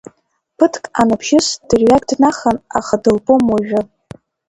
Ԥыҭк анбжьыс дырҩагь днахан, аха дылбом уажәы.